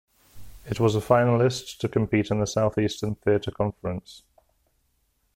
It was a finalist to compete in the Southeastern Theatre Conference.